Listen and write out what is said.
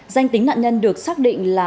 danh tính nạn nhân được xác định là